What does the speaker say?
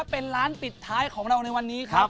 เป็นร้านปิดท้ายของเราในวันนี้ครับ